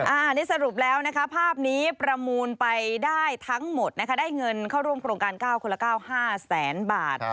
อันนี้สรุปแล้วนะคะภาพนี้ประมูลไปได้ทั้งหมดนะคะได้เงินเข้าร่วมโครงการ๙คนละ๙๕แสนบาท